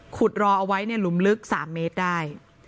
รอเอาไว้ในหลุมลึก๓เมตรได้